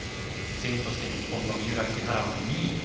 依然として日本の三浦、木原は２位。